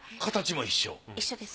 形も一緒？